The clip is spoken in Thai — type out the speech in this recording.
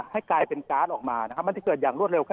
ให้กลายเป็นแก๊สออกมามันจะเกิดอย่างรวดเร็ว